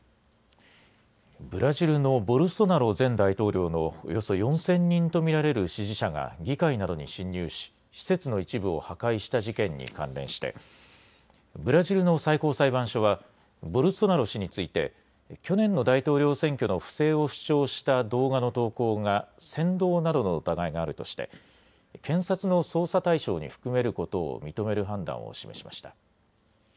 ブラジルのボルソナロ前大統領のおよそ４０００人と見られる支持者が議会などに侵入し施設の一部を破壊した事件に関連してブラジルの最高裁判所はボルソナロ氏について去年の大統領選挙の不正を主張した動画の投稿が扇動などの疑いがあるとして検察の捜査対象に含めることを認める判断を示しました。